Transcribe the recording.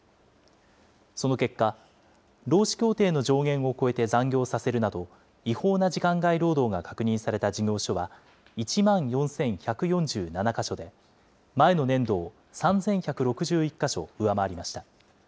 その結果、労使協定の上限を超えて残業させるなど、違法な時間外労働が確認された事業所は１万４１４７か所で、前の年度を３１６１か所上回りました。